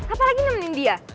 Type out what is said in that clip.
apalagi nemenin dia